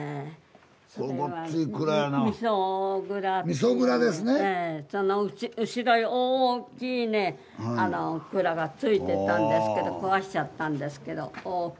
その後ろに大きいね蔵がついてたんですけど壊しちゃったんですけど大きな樽があって。